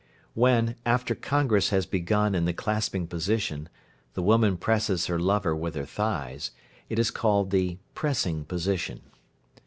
When, after congress has begun in the clasping position, the woman presses her lover with her thighs, it is called the "pressing position."